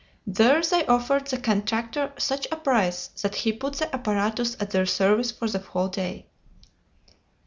There they offered the contractor such a price that he put the apparatus at their service for the whole day.